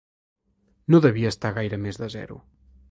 No devia estar a gaire més de zero.